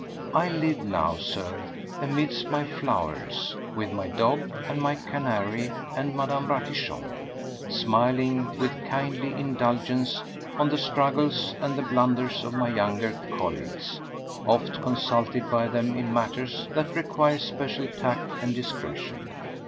I live now, Sir, amidst my flowers, with my dog and my canary and Mme. Ratichon, smiling with kindly indulgence on the struggles and the blunders of my younger colleagues, oft consulted by them in matters that require special tact and discretion.